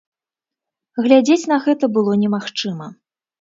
Глядзець на гэта было немагчыма.